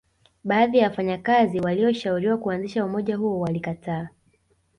Baadhi ya wafanyakazi walioshauriwa kuanzisha umoja huo walikataa